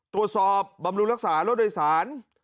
ตรวจสอบบำรุรักษารถโดยศาล